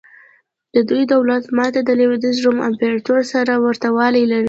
د دې دولت ماتې د لوېدیځ روم امپراتورۍ سره ورته والی لري.